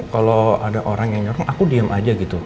kalau ada orang yang nyorong aku diem aja gitu